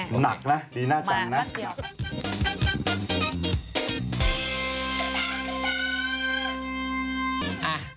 หนักนะลีน่าจังมารับเกียรติ